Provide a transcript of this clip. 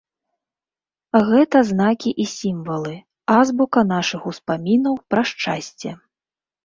Гэта знакі і сімвалы, азбука нашых успамінаў пра шчасце.